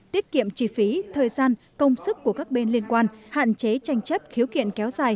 tiết kiệm chi phí thời gian công sức của các bên liên quan